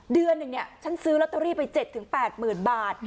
เดือนหนึ่งเนี่ยฉันซื้อลอตเตอรี่ไป๗๘๐๐๐บาท